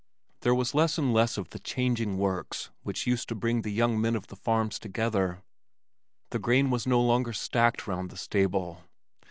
There was less and less of the "changing works" which used to bring the young men of the farms together. The grain was no longer stacked round the stable.